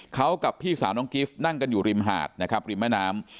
เขากับพี่สาวน้องกิฟต์นั่งกันอยู่ริมหาดนะครับริมแม่น้ำ